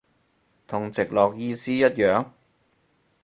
同直落意思一樣？